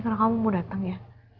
karena kamu mau datang ya